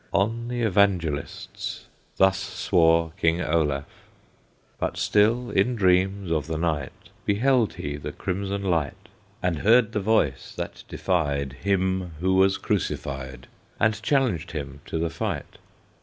On the Evangelists Thus swore King Olaf. But still in dreams of the night Beheld he the crimson light, And heard the voice that defied Him who was crucified, And challenged him to the fight.